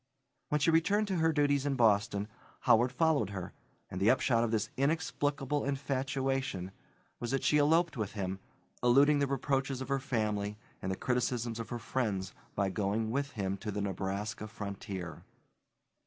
When she returned to her duties in Boston, Howard followed her, and the upshot of this inexplicable infatuation was that she eloped with him, eluding the reproaches of her family and the criticisms of her friends by going with him to the Nebraska frontier.